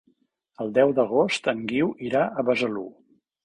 El deu d'agost en Guiu irà a Besalú.